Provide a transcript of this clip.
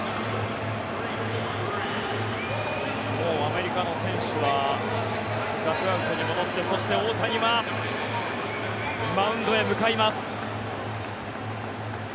アメリカの選手はダッグアウトに戻ってそして大谷はマウンドへ向かいます。